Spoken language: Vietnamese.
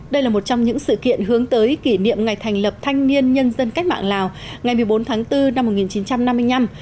đây là một trong những sự kiện hướng tới kỷ niệm ngày thành lập thanh niên nhân dân cách mạng lào ngày một mươi bốn tháng bốn năm một nghìn chín trăm năm mươi năm